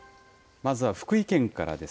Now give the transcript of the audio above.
まずは福井県からです。